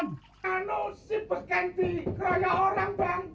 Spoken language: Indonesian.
ngamu si beken di keroyok orang bang